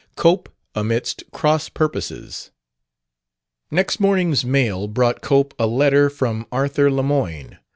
12 COPE AMIDST CROSS PURPOSES Next morning's mail brought Cope a letter from Arthur Lemoyne.